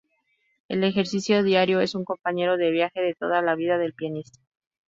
El ejercicio diario es un compañero de viaje de toda la vida del pianista.